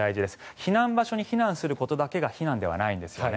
避難場所に避難することだけが避難ではないんですよね。